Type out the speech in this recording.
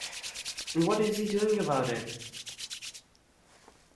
And what is he doing about it?